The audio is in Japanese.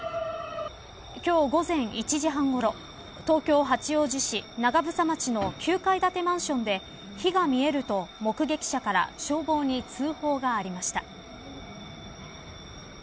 今日午前１時半ごろ東京、八王子市長房町の９階建てマンションで火が見えると、目撃者から消防に通報がありました。